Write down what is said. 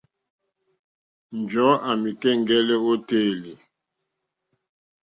Njɔ̀ɔ́ à mìká ɛ̀ŋgɛ́lɛ́ ô téèlì.